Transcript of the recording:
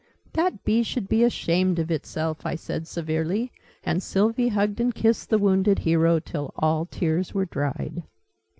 "That Bee should be ashamed of itself!" I said severely, and Sylvie hugged and kissed the wounded hero till all tears were dried.